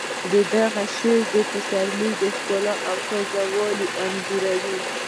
د هغه شعر د پسرلي ښکلا او تازه ګي انځوروي